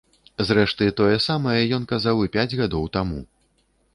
Зрэшты, тое самае ён казаў і пяць гадоў таму.